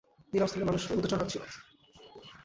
নিলাম স্থলে মানুষ উচদর হাঁকছিল।